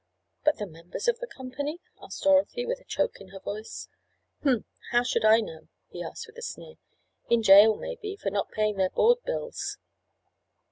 "But the members of the company?" asked Dorothy with a choke in her voice. "Hum! How should I know?" he asked with a sneer. "In jail, maybe, for not paying their board bills."